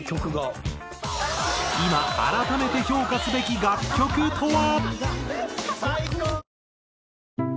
今改めて評価すべき楽曲とは？